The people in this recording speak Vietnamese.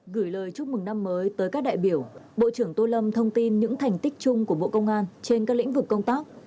gửi lời chúc mừng năm mới tới các đại biểu bộ trưởng tô lâm thông tin những thành tích chung của bộ công an trên các lĩnh vực công tác